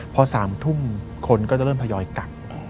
พอ๓ทุ่มคนก็จะเริ่มทยอยกัก